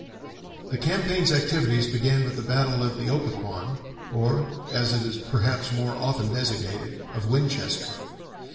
The campaign's activities began with the battle of the Opequan, or, as it is perhaps more often designated, of Winchester.